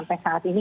di saat ini